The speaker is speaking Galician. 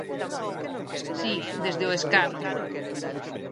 Si, desde o escano.